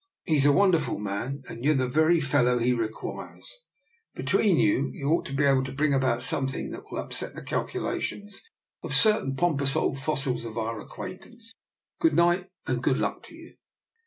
He's a wonderful man, and you're the very fellow he requires: between you, you ought to be able to bring about something that will upset the calculations of certain pompous old fossils of our acquaintance. Good night, and good luck to you!